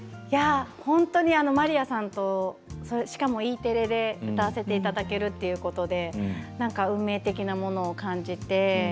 本当にまりやさんとしかもＥテレで歌わせていただけるということで運命的なものを感じて。